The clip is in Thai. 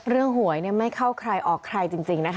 เรื่องหวยไม่เข้าใครออกใครจริงนะฮะ